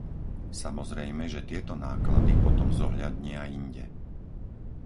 Samozrejme, že tieto náklady potom zohľadnia inde.